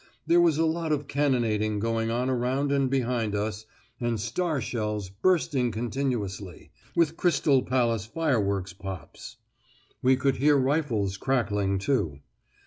There was a lot of cannonading going on around and behind us, and star shells bursting continuously, with Crystal Palace firework pops; we could hear rifles cracking too.